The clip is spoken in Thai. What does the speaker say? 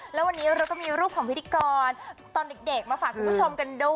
แล้ววันนี้เราก็มีรูปของพิธีกรตอนเด็กมาฝากคุณผู้ชมกันด้วย